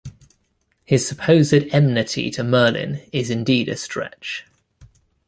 His supposed enmity to Merlin is indeed a stretch.